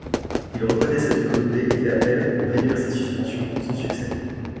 Il reconnait s'être dopé et fait appel pour réduire sa suspension, sans succès.